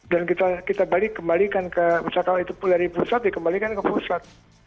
dan kita balik kembalikan ke misalkan itu dari pusat dikembalikan ke pusat